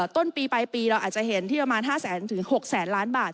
ต้นปีไปปีเราอาจจะเห็นที่ประมาณ๕๖แสนล้านบาท